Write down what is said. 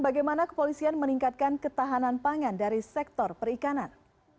bagaimana kepolisian meningkatkan ketahanan pangan dari sektor perikanan